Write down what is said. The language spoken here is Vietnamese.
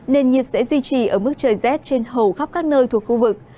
nền nhiệt sẽ duy trì ở mức trời rét trên hầu khắp các nơi thuộc khu vực